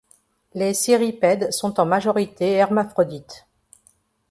Les Cirripèdes sont en majorité hermaphrodites.